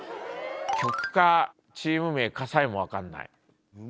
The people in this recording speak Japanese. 曲かチーム名かさえも分かんない。